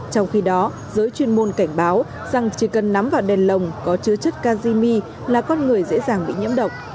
trong khi đó giới chuyên môn cảnh báo rằng chỉ cần nắm vào đèn lồng có chứa chất kazimi là con người dễ dàng bị nhiễm độc